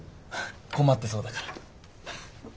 困ってそうだから。